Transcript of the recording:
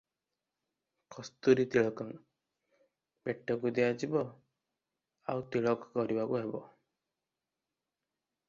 କସ୍ତୁରୀତିଳକଂ "ପେଟକୁ ଦିଆଯିବ, ଆଉ ତିଳକ କରିଦେବାକୁ ହେବ ।"